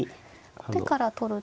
後手から取ると。